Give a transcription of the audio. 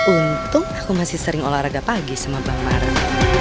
untung aku masih sering olahraga pagi sama bang maran